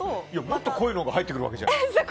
もっと濃いのが入ってくるわけじゃん。